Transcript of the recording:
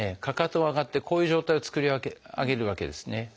かかとが上がってこういう状態を作り上げるわけですね。